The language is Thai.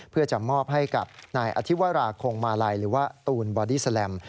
เพื่อจะมอบให้กับนายอธิวราคงมาลัยหรือว่าตูนบอดี้แลม